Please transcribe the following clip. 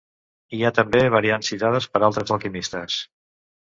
Hi ha també variants citades per altres alquimistes.